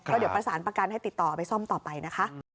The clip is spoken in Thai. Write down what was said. เดี๋ยวประสานประกันให้ติดต่อไปซ่อมต่อไปนะคะ